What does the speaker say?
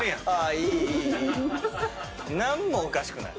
何もおかしくない。